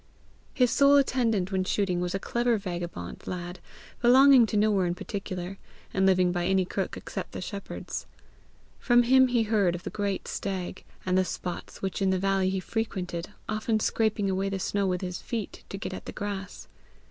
His sole attendant when shooting was a clever vagabond lad belonging to nowhere in particular, and living by any crook except the shepherd's. From him he heard of the great stag, and the spots which in the valleys he frequented, often scraping away the snow with his feet to get at the grass.